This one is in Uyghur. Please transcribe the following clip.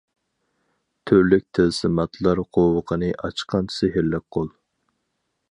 تۈرلۈك تىلسىماتلار قوۋۇقىنى ئاچقان سېھىرلىك قول.